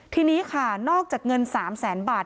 ทีนี้ค่ะนอกจากเงิน๓แสนบาท